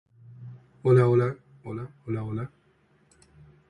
The mint was operated under Japanese auspices during the occupation.